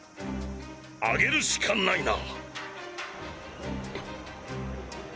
上げるしかないな。